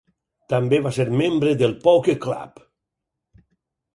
També va ser membre del Poker Club.